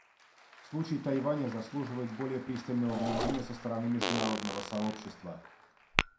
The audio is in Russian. Случай Тайваня заслуживает более пристального внимания со стороны международного сообщества.